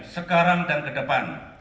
sekarang dan kedepan